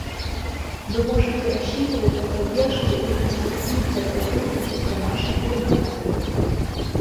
Вы можете рассчитывать на поддержку и конструктивное сотрудничество нашей делегации.